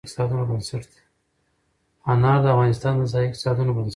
انار د افغانستان د ځایي اقتصادونو بنسټ دی.